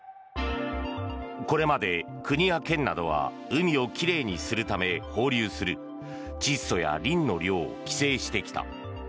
これまで国や県などは海を奇麗にするため放流する窒素やリンの量を規制してきた。